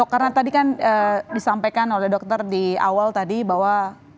karena tadi kan disampaikan oleh dokter di awal tadi bahwa